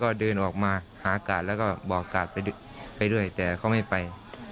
ก็เดินออกมาหากาดแล้วก็บอกกาดไปด้วยแต่เขาไม่ไป